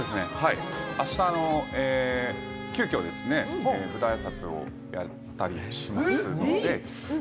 あした、急きょですね、舞台挨拶をやったりしますので。